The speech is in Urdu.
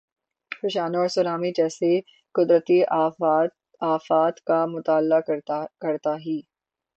فشانوں اور سونامی جیسی قدرتی آفات کا مطالعہ کرتا ہی۔